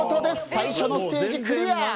最初のステージクリア！